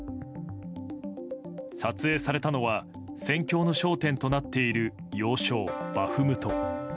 撮影されたのは戦況の焦点となっている要衝バフムト。